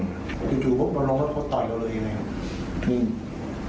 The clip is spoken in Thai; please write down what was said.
ที่ถูกพวกมันลงเขาต่อยเราเลยยังไง